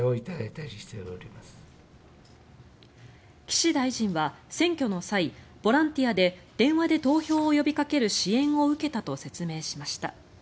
岸大臣は、選挙の際ボランティアで電話で投票を呼びかける支援を受けたと説明しました。